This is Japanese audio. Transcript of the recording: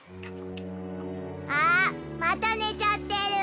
あまた寝ちゃってる。